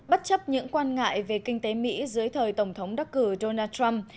bất chấp những quan ngại về kinh tế mỹ dưới thời tổng thống đắc cử donald trump